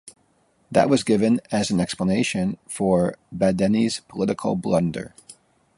That was given as an explanation for Badeni's political blunder.